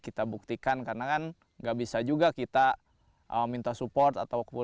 kita buktikan karena kita tidak bisa minta support